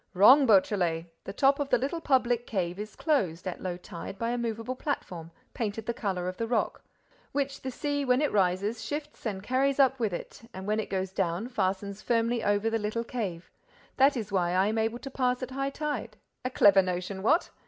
"Wrong, Beautrelet! The top of the little public cave is closed, at low tide, by a movable platform, painted the color of the rock, which the sea, when it rises, shifts and carries up with it and, when it goes down, fastens firmly over the little cave. That is why I am able to pass at high tide. A clever notion, what?